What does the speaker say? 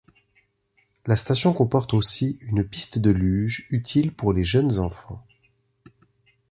La station comporte aussi une piste de luge, utile pour les jeunes enfants.